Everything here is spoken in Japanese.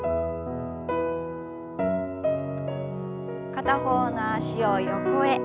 片方の脚を横へ。